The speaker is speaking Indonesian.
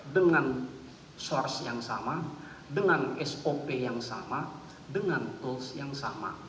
dengan source yang sama dengan sop yang sama dengan tools yang sama